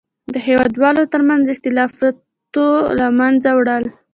د هېوادوالو تر منځ اختلافاتو له منځه وړل.